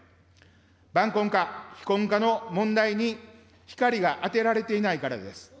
晩婚化、非婚化の問題に光が当てられていないからです。